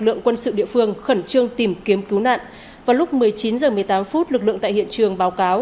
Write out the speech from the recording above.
lượng quân sự địa phương khẩn trương tìm kiếm cứu nạn vào lúc một mươi chín h một mươi tám phút lực lượng tại hiện trường báo cáo